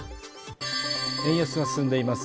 円安が進んでいます